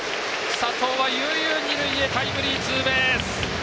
佐藤は悠々、二塁へタイムリーツーベース。